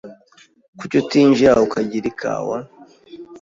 Kuki utinjira ukagira ikawa?